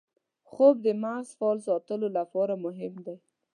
خوب د مغز فعال ساتلو لپاره مهم دی